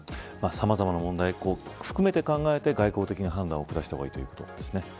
さまざまな問題を含めて外交的な判断を下した方がいいということですね。